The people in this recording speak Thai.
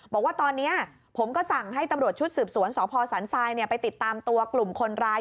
บอกว่าตอนนี้ผมก็สั่งให้ตำรวจชุดสืบสวนสพสันทรายไปติดตามตัวกลุ่มคนร้าย